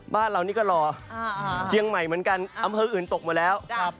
บ้านเรานี่ก็รอเชียงใหม่เหมือนกันอำเภออื่นตกมาแล้ว